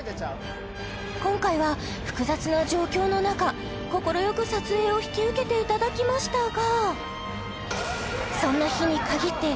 今回は複雑な状況の中快く撮影を引き受けていただきましたがそんな日にかぎって